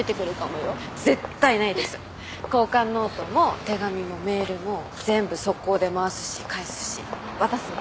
交換ノートも手紙もメールも全部即行で回すし返すし渡すんで。